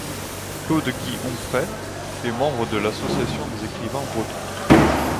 Claude-Guy Onfray est membre de l'Association des écrivains bretons.